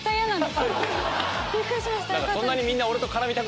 そんなにみんな。